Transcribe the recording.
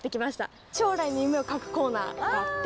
将来の夢を書くコーナーがあって。